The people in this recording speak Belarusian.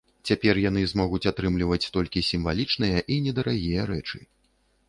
Цяпер яны змогуць атрымаць толькі сімвалічныя і недарагія рэчы.